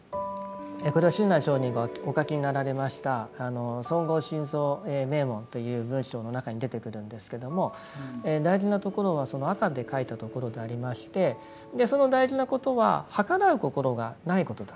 これは親鸞聖人がお書きになられました「尊号真像銘文」という文章の中に出てくるんですけども大事なところはその赤で書いたところでありましてその大事なことははからう心がないことだと。